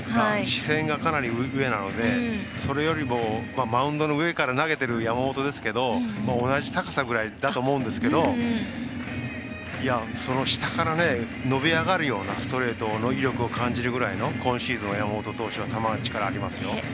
視線が、かなり上なのでそれよりも、マウンドの上から投げている山本ですけど同じ高さぐらいだと思うんですけどその下から伸び上がるようなストレートの威力を感じるぐらいの今シーズンは山本投手球、力ありますよ。